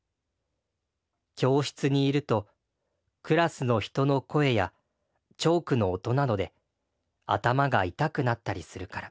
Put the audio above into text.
教室にいるとクラスの人の声やチョークの音などで頭が痛くなったりするから。